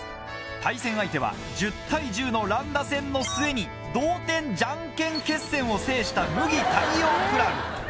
対戦相手は１０対１０の乱打戦の末に同点ジャンケン決戦を制した牟岐大洋クラブ。